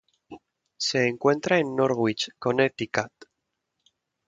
Se encuentra en Norwich, Connecticut.